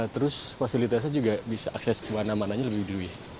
terus fasilitasnya juga bisa akses kemana mananya lebih dulu ya